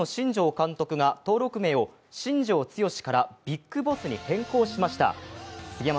日本ハムの新庄監督が登録名を新庄剛志からビッグボスに変更しました。